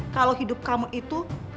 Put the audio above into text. kalau hidup kamu itu